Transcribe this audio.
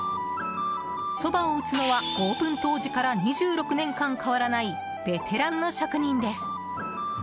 そばを打つのはオープン当時から２６年間変わらないベテランの職人です。